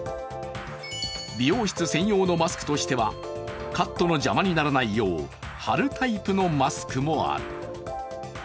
美容室専用のマスクとしてはカットの邪魔にならないよう貼るタイプのマスクもある。